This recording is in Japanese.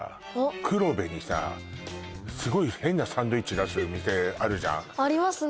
黒部にさあっすごい変なサンドイッチ出す店あるじゃんありますね